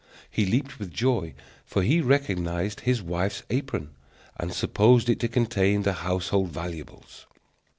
He leaped with joy, for he recognized his wife's apron, and supposed it to contain the household valuables.